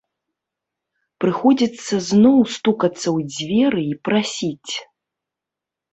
Прыходзіцца зноў стукацца ў дзверы і прасіць.